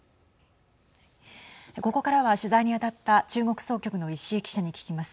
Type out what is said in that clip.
ここからは取材に当たった中国総局の石井記者に聞きます。